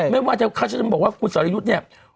ไม่ว่าจะบอกว่าคุณสรยุทธ์เนี่ย